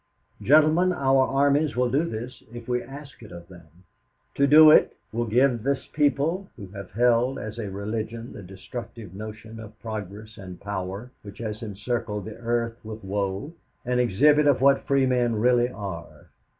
"'Gentlemen, our armies will do this if we ask it of them. To do it will give this people who have held as a religion the destructive notion of progress and power which has encircled the earth with woe, an exhibit of what free men really are.